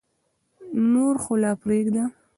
نور خو لا پرېږده.